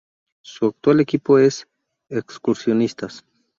Su actual equipo es Excursionistas.